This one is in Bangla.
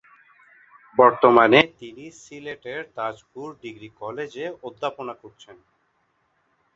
বর্তমানে তিনি সিলেটের তাজপুর ডিগ্রী কলেজে অধ্যাপনা করছেন।